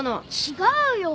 違うよ。